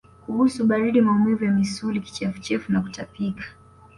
Kuhisi baridi maumivu ya misuli kichefuchefu na kutapika